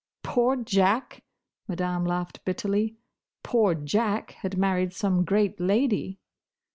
"Poor Jack!" Madame laughed bitterly. "Poor Jack had married some great lady!"